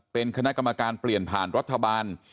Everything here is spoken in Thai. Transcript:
เป็นคณะกรรมการเปลี่ยนผ่านรัฐบาล